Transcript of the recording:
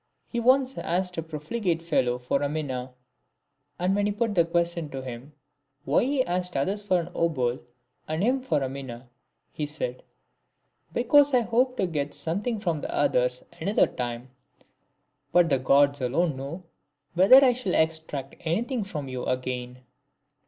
He once asked a profligate fellow for a mina ; and when he put the question to him, why he asked others for an obol, and him for a mina, he said, " Because I hope to get something from the others another time, but the Gods alone know whether I shall ever extract anything from you again."